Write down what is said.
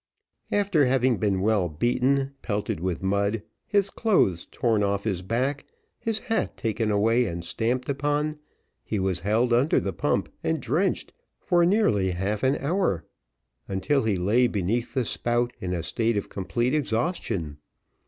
After having been well beaten, pelted with mud, his clothes torn off his back, his hat taken away and stamped upon, he was held under the pump and drenched for nearly half an hour, until he lay beneath the spout in a state of complete exhaustion.